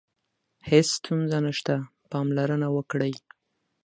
هیڅ ستونزه نشته، پاملرنه وکړئ.